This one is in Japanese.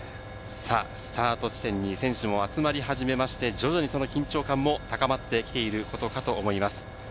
スタート地点に選手も集まり始めまして徐々に緊張感も高まってきていることかと思います。